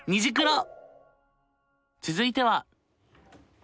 続いては。